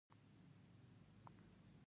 ښخوئ به ما په پاک افغانستان کې په پښتو ژبه.